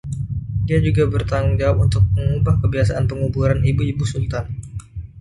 Dia juga bertanggung jawab untuk mengubah kebiasaan penguburan ibu-ibu sultan.